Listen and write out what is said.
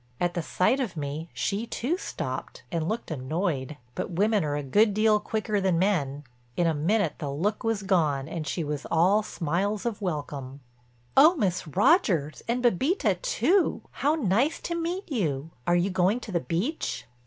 At the sight of me she too stopped and looked annoyed. But women are a good deal quicker than men—in a minute the look was gone and she was all smiles of welcome. "Oh, Miss Rogers, and Bébita too! How nice to meet you. Are you going to the beach?"